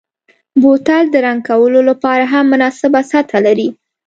بوتل د رنګ کولو لپاره هم مناسبه سطحه لري.